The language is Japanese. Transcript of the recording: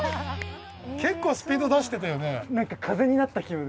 結構スピード出してたよね。